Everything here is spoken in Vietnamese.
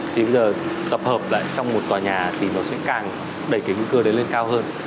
thì bây giờ tập hợp lại trong một tòa nhà thì nó sẽ càng đẩy cái nguy cơ đấy lên cao hơn